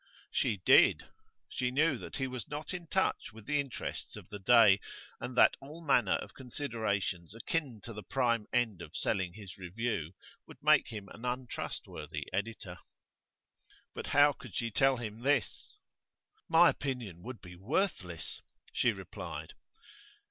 She did. She knew that he was not in touch with the interests of the day, and that all manner of considerations akin to the prime end of selling his review would make him an untrustworthy editor. But how could she tell him this? 'My opinion would be worthless,' she replied.